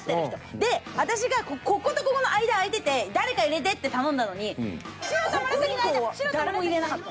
で私がこことここの間開いてて誰か入れてって頼んだのにここ以降は誰も入れなかったの。